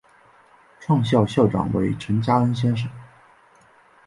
创校校长为陈加恩先生。